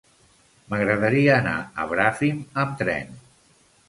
M'agradaria anar a Bràfim amb tren.